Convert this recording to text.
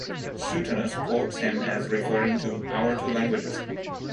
Suetonius quotes him as referring to "our two languages".